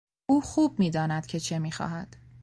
او خوب میداند که چه میخواهد.